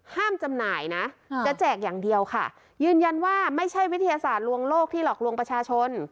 จำหน่ายนะจะแจกอย่างเดียวค่ะยืนยันว่าไม่ใช่วิทยาศาสตร์ลวงโลกที่หลอกลวงประชาชน